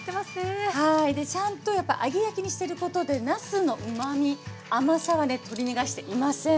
ちゃんとやっぱ揚げ焼きにしてることでなすのうまみ甘さはね取り逃がしていません。